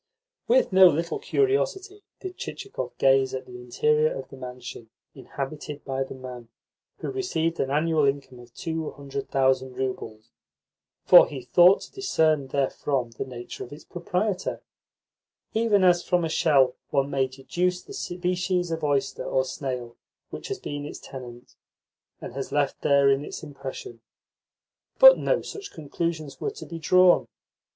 With no little curiosity did Chichikov gaze at the interior of the mansion inhabited by the man who received an annual income of two hundred thousand roubles; for he thought to discern therefrom the nature of its proprietor, even as from a shell one may deduce the species of oyster or snail which has been its tenant, and has left therein its impression. But no such conclusions were to be drawn.